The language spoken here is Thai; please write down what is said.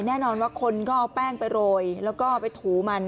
แน่นอนว่าคนก็เอาแป้งไปโรยแล้วก็ไปถูมัน